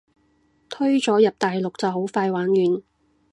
推咗入大陸就好快玩完